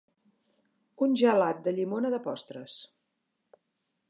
Un gelat de llimona de postres.